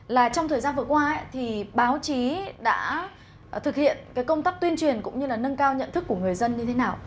là trong thời gian vừa qua thì báo chí đã thực hiện cái công tác tuyên truyền cũng như là nâng cao nhận thức của người dân như thế nào